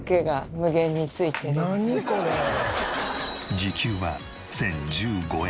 時給は１０１５円。